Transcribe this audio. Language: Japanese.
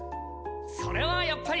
それはやっぱり。